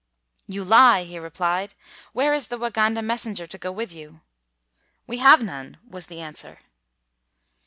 "You lie," he replied. "Where is the Waganda messenger to go with you?" "We have none," was the answer.